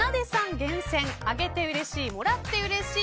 厳選あげてうれしい！